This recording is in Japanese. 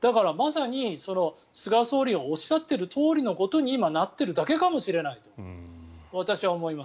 だからまさに菅総理がおっしゃってるとおりのことに今、なっているだけかもしれないと私は思います。